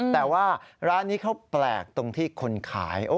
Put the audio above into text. แต่ว่าร้านนี้เขาแปลกตรงที่คนขาย